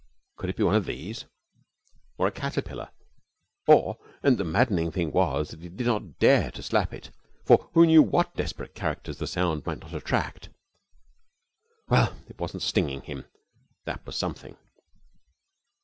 Could it be one of these? Or a caterpillar? Or and the maddening thing was that he did not dare to slap at it, for who knew what desperate characters the sound might not attract? Well, it wasn't stinging him; that was something.